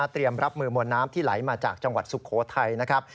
รับมือมวลน้ำที่ไหลมาจากจังหวัดสุโขทัยนะครับ